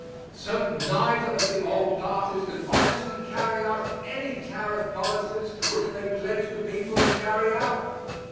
So neither of the old parties can honestly carry out any tariff policies which they pledge the people to carry out.